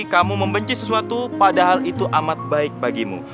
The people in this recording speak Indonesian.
kamu membenci sesuatu padahal itu amat baik bagimu